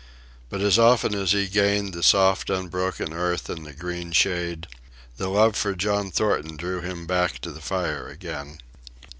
But as often as he gained the soft unbroken earth and the green shade, the love for John Thornton drew him back to the fire again.